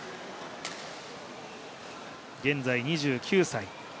現在、２９歳。